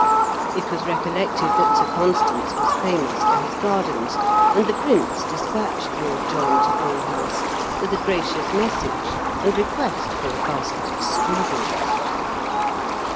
It was recollected that Sir Constans was famous for his gardens, and the Prince despatched Lord John to Old House with a gracious message and request for a basket of strawberries.